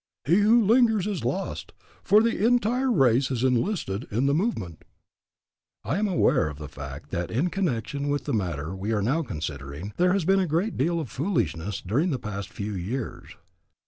He who lingers is lost, for the entire race is enlisted in the movement." I am aware of the fact that in connection with the matter we are now considering there has been a great deal of foolishness during the past few years.